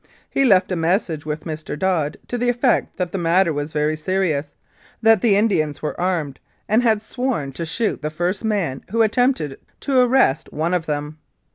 He left a message with Dr. Dodd to the effect that the matter was very serious that the Indians were armed and had sworn to shoot the first man who attempted to arrest one of them.